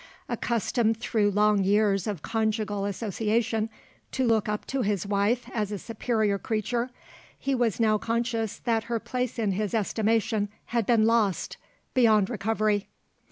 Accustomed through long years of conjugal association to look up to his wife as a superior creature, he was now conscious that her place in his estimation had been lost, beyond recovery.